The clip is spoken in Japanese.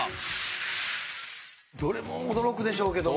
どれも驚くでしょうけど。